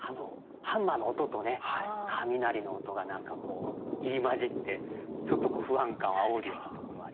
ハンマーの音とね雷の音が何かこう入り交じってちょっと不安感をあおるようなところありますね。